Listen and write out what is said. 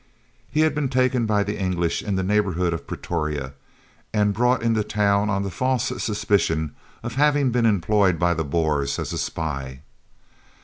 He had been taken by the English in the neighbourhood of Pretoria and brought into town on the false suspicion of having been employed by the Boers as a spy.